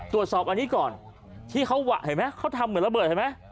ตรวจสอบอันนี้ก่อนที่เขาเห็นไหมเขาทำเหมือนระเบิดเห็นไหม